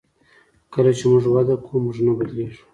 کله چې موږ وده کوو موږ نه بدلیږو.